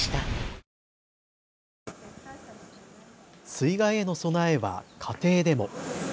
水害への備えは家庭でも。